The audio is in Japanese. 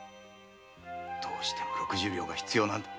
どうしても六十両必要なんだ。